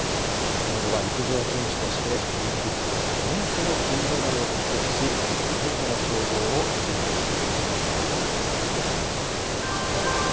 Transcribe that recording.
その後は陸上選手としてオリンピックで４個の金メダルを獲得し、ナイトの称号を授与されています。